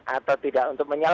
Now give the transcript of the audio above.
atau tidak untuk menyatakan